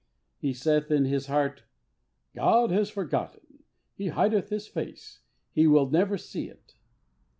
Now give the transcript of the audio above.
He saith in his heart, "God hath forgotten: He hideth His face; He will never see it."